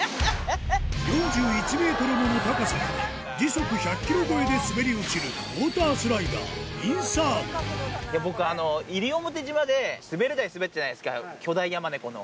４１メートルもの高さから、時速１００キロ超えで滑り落ちるウォータースライダー、インサー僕、西表島で、滑り台、滑ったじゃないですか、巨大ヤマネコの。